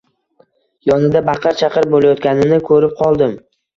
Yonida baqir-chaqir boʻlayotganini koʻrib qoldim.